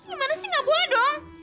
gimana sih nggak boleh dong